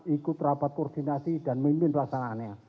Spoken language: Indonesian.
ikut rapat koordinasi dan mimpin pelaksanaannya